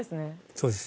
そうです。